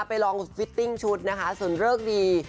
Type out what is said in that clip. ไปลองฟิตติ้งชุดนะคะส่วนเลิกดี